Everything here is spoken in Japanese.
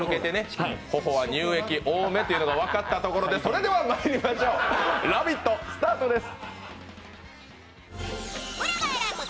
頬は乳液多めというのが分かったところで、それでは、まいりましょう「ラヴィット！」スタートです。